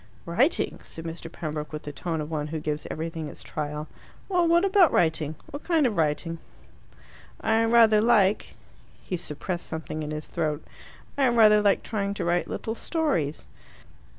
"Writing?" said Mr. Pembroke, with the tone of one who gives everything its trial. "Well, what about writing? What kind of writing?" "I rather like," he suppressed something in his throat, "I rather like trying to write little stories."